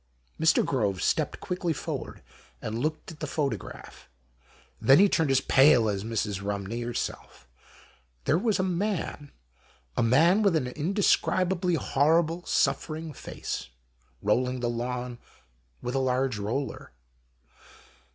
Mr. Groves stepped quickly forward and looked at the photograph. Then he turned as pale as Mrs. Eumney herself. There was a man, a man with an indescrib ably horrible suffering face, rolling the lawn with a large roller.